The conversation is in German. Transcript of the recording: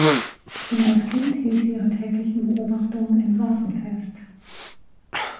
Schon als Kind hielt sie ihre täglichen Beobachtungen in Worten fest.